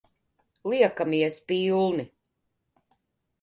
Liekamies pilni.